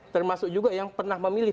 termasuk juga yang pernah memilih